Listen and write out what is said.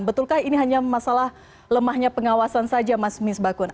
betulkah ini hanya masalah lemahnya pengawasan saja mas mis bakun